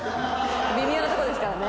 微妙なとこですからね。